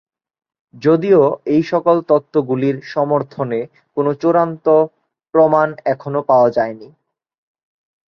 যদিও এইসকল তত্ত্বগুলির সমর্থনে কোন চূড়ান্ত প্রমাণ এখনও পাওয়া যায়নি।